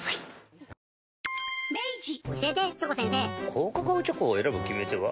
高カカオチョコを選ぶ決め手は？